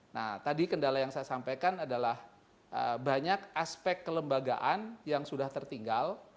nah tadi kendala yang saya sampaikan adalah banyak aspek kelembagaan yang sudah tertinggal